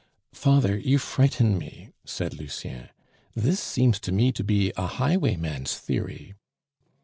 "Father, you frighten me," said Lucien; "this seems to me to be a highwayman's theory."